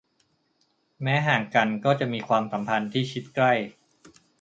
แม้ห่างกันก็จะมีความสัมพันธ์ที่ชิดใกล้